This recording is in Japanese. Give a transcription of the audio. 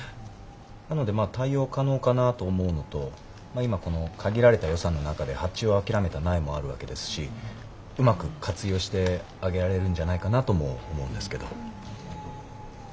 なのでまあ対応可能かなと思うのと今この限られた予算の中で発注を諦めた苗もあるわけですしうまく活用してあげられるんじゃないかなとも思うんですけど。